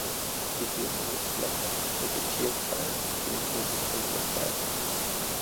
Sie dürfen nicht länger akkreditiert sein, sie müssen suspendiert werden.